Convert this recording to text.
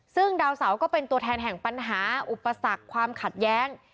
ซึ่งดาวเสาก็เป็นตัวแทนแห่งปัญหาอุปสรรคความขัดแย้ง